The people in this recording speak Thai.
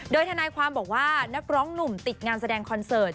โดยทนายความบอกว่านักร้องหนุ่มติดงานแสดงคอนเสิร์ต